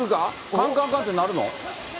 カンカンカンってなるの？